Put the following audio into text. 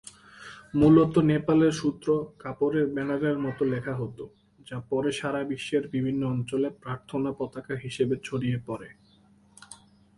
মূলত নেপালের সূত্র কাপড়ের ব্যানারের মতো লেখা হতো, যা পরে সারা বিশ্বের বিভিন্ন অঞ্চলে প্রার্থনা পতাকা হিসেবে ছড়িয়ে পড়ে।